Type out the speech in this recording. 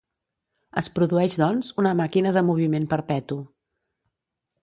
Es produeix, doncs, una màquina de moviment perpetu.